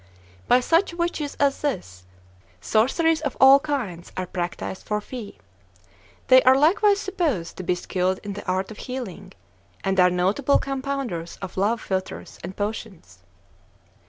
By such witches as this, sorceries of all kinds are practised for fee. They are likewise supposed to be skilled in the art of healing, and are notable compounders of love philters and potions.